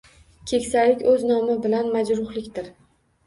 Keksalik o’z nomi bilan majruhlikdir.